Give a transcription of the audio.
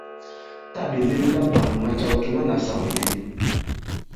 Tǎ ɓè lem laɓāŋ, màcàw kì ma nasâw ndi.